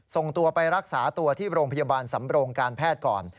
ส่งตัวไปรักษาตัวที่โรงพยาบาลสำโรงการแพทย์ก่อน